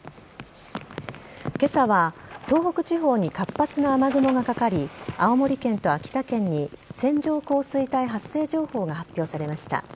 今朝は東北地方に活発な雨雲がかかり青森県と秋田県に線状降水帯発生情報が発表されました。